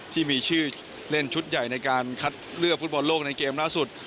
ที่มีชื่อเล่นชุดใหญ่ในการคัดเลือกฟุตบอลโลกในเกมล่าสุด